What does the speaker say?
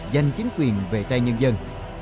giành chính quyền về tay nhân dân